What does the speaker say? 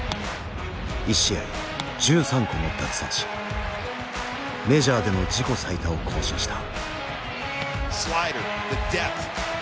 １試合１３個の奪三振メジャーでの自己最多を更新した。